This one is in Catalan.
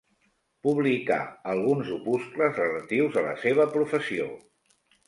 Publicà alguns opuscles relatius a la seva professió.